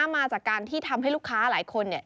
มาจากการที่ทำให้ลูกค้าหลายคน